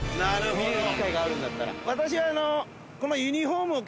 見る機会があるんだったら。